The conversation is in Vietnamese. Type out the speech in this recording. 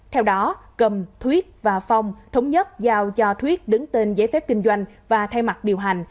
theo đó cầm thuyết và phong thống nhất giao cho thuyết đứng tên giấy phép kinh doanh và thay mặt điều hành